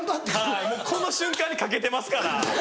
はいこの瞬間に懸けてますから！